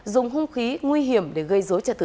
dùng hông khí nguy hiểm để gây án